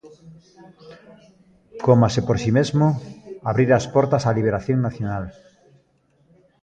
Coma, se por si mesmo, abrira as portas á liberación nacional.